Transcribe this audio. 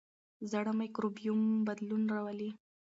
زاړه مایکروبیوم بدلون راولي.